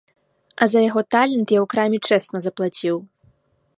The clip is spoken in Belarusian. А за яго талент я ў краме чэсна заплаціў.